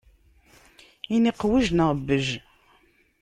Ini : qwej neɣ bej!